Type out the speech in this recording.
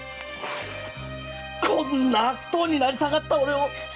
こんな悪党になりさがった俺を！